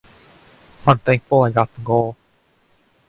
I'm thankful I got the goal ...